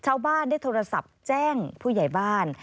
ชาวบ้านได้โทรศัพท์แจ้งผู้ใหญ่บ้าน